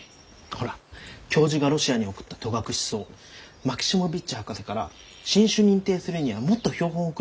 ほら教授がロシアに送った戸隠草マキシモヴィッチ博士から新種認定するにはもっと標本をくれって言われたろう？